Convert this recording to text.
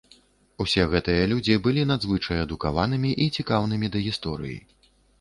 Усе гэтыя людзі былі надзвычай адукаванымі і цікаўнымі да гісторыі.